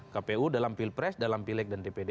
kpu dalam pilpres dalam pileg dan dpd